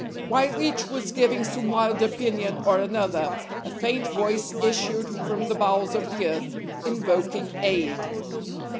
While each was giving some wild opinion or another, a faint voice issued from the bowels of the earth, invoking aid.